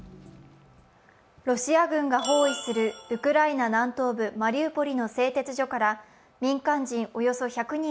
ロシア軍が包囲するウクライナ南東部マリウポリの製鉄所から民間人